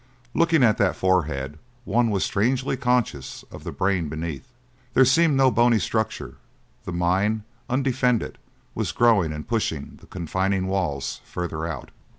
Looking at that forehead one was strangely conscious of the brain beneath. There seemed no bony structure; the mind, undefended, was growing and pushing the confining walls further out.